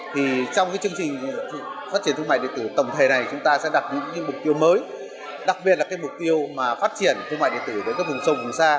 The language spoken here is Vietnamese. trong chương trình phát triển thương mại điện tử tổng thể này chúng ta sẽ đặt những mục tiêu mới đặc biệt là mục tiêu phát triển thương mại điện tử đến vùng sông vùng xa